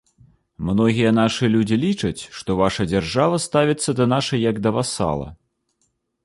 Многія нашы людзі лічаць, што ваша дзяржава ставіцца да нашай як да васала.